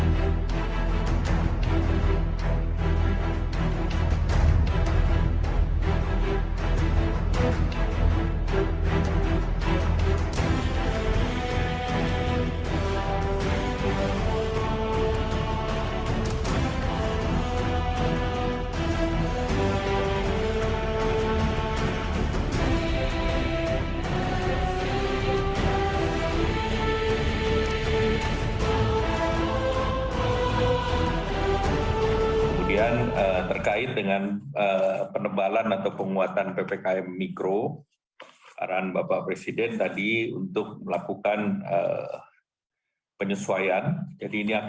jangan lupa like share dan subscribe ya